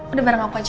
udah bareng aku aja